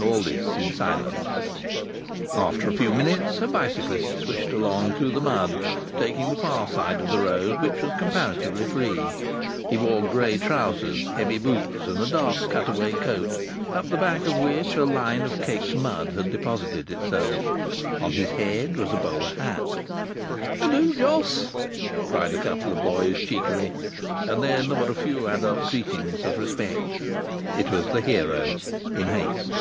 All this in silence. After a few minutes a bicyclist swished along through the mud, taking the far side of the road, which was comparatively free. He wore grey trousers, heavy boots, and a dark cut away coat, up the back of which a line of caked mud had deposited itself. On his head was a bowler hat. "How do, Jos?" cried a couple of boys, cheekily. And then there were a few adult greetings of respect. It was the hero, in haste.